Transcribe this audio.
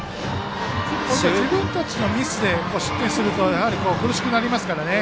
自分たちのミスで失点するとやはり苦しくなりますから。